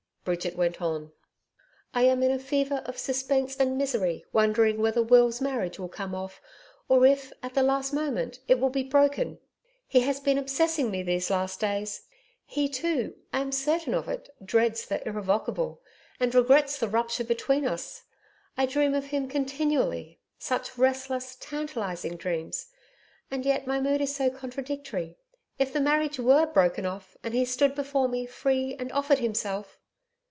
Bridget went on: 'I am in a fever of suspense and misery wondering whether Will's marriage will come off or if, at the last moment, it will be broken. He has been obsessing me these last days. He too I am certain of it dreads the Irrevocable, and regrets the rupture between us. I dream of him continually such restless, tantalising dreams. And yet my mood is so contradictory. If the marriage WERE broken off and he stood before me, free, and offered himself!